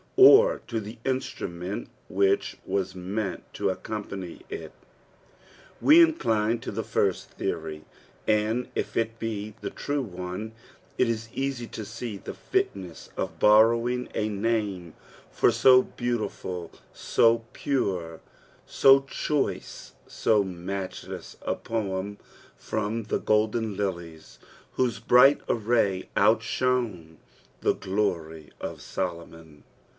ortothe instrumerd idiich axis meant to accompany U. We incline to the first theory, and ^ it be the true one, it is easy to sathe JUness cf oorrovAng a namtfor so lieavliful, so pure, BO choice, so maichless a poem from die golden lilies, tcltose bright array outshone the glory qf Solomon.